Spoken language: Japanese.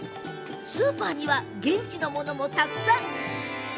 スーパーには現地のものもたくさん！